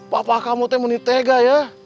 bapak kamu tuh menitiga ya